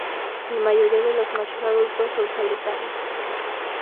La mayoría de los machos adultos son solitarios.